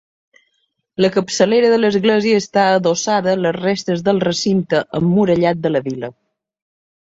La capçalera de l'església està adossada a les restes del recinte emmurallat de la vila.